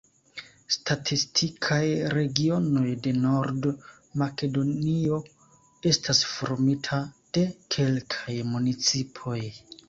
Statistikaj regionoj de Nord-Makedonio estas formita de kelkaj municipoj.